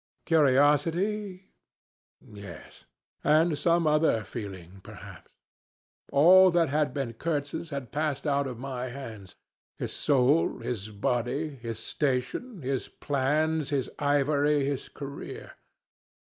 Curiosity? Yes; and also some other feeling perhaps. All that had been Kurtz's had passed out of my hands: his soul, his body, his station, his plans, his ivory, his career.